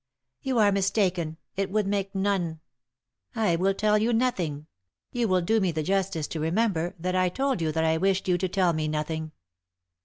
" You are mistaken ; it would make none. I will tell you nothing ; you will do me the justice to remem ber that I told you that I wished you to tell me nothing."